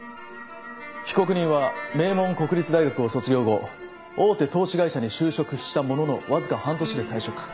被告人は名門国立大学を卒業後大手投資会社に就職したもののわずか半年で退職。